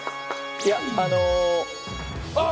いやあのあっ！